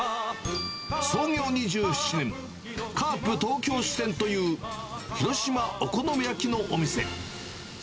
創業２７年、カープ東京支店という、広島お好み焼きのお店。